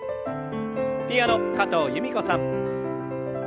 ピアノ加藤由美子さん。